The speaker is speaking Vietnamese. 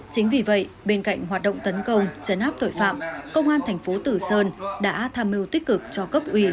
chính vì vậy bên cạnh hoạt động tấn công chấn áp tội phạm công an thành phố tử sơn đã tham mưu tích cực cho cấp ủy